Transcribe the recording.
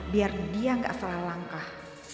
biar dia gak salah langkah